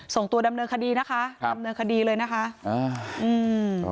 ส่งตัวดำเนินคดีนะคะครับดำเนินคดีเลยนะคะอ่าอืม